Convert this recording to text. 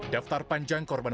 daftar panjang korban mereka